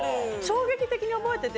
衝撃的に覚えてて。